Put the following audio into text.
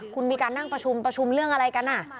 คุณมีการนั่งประชุมประชุมเรื่องอะไรกัน